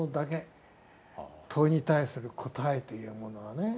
問いに対する答えというものはね。